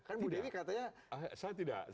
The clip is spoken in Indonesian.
kan ibu dewi katanya tidak mencium apa apa